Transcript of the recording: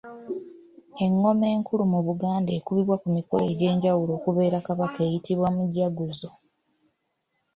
Engoma enkulu mu Buganda ekubibwa ku mikolo egy’enjawulo okubeera Kabaka eyitibwa Mujaguzo.